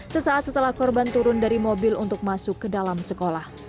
sesaat setelah korban turun dari mobil untuk masuk ke dalam sekolah